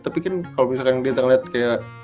tapi kan kalau misalkan dia tengok liat kayak